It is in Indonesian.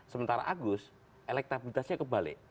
sementara agus elektabilitasnya kebalik